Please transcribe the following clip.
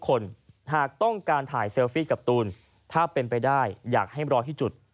คนหากต้องการถ่ายเซลฟี่กับตูนถ้าเป็นไปได้อยากให้รอที่จุด